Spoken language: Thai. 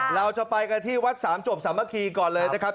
เราจะไปกันที่วัดสามจบสามัคคีก่อนเลยนะครับ